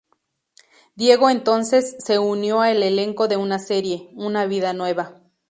Diego entonces se unió al elenco de una serie, "Una vida nueva".